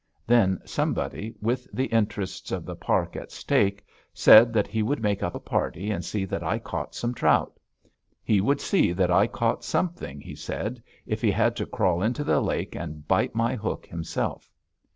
Then somebody, with the interests of the park at stake, said that he would make up a party and see that I caught some trout. He would see that I caught something, he said, if he had to crawl into the lake and bite my hook himself.